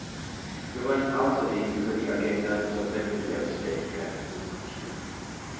Wir wollen außerdem über die Agenda zur Wettbewerbsfähigkeit diskutieren.